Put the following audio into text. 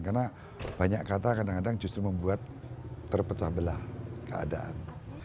karena banyak kata kadang kadang justru membuat terpecah belah keadaan